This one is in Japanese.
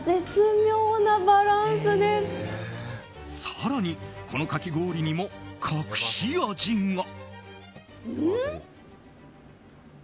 更に、このかき氷にも隠し味が。